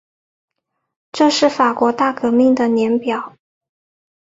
这是法国大革命的年表